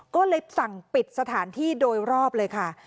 ก็เลยสั่งปิดสถานที่โดยรอบเลยค่ะ